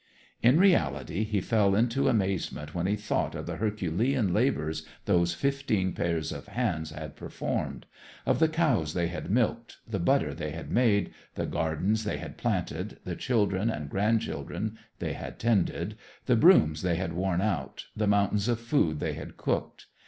In reality he fell into amazement when he thought of the Herculean labors those fifteen pairs of hands had performed: of the cows they had milked, the butter they had made, the gardens they had planted, the children and grandchildren they had tended, the brooms they had worn out, the mountains of food they had cooked.